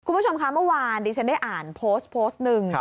คุณผู้ชมคะเมื่อวานดิฉันได้อ่านโพสต์โพสต์หนึ่ง